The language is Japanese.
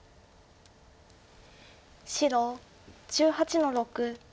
白１８の六。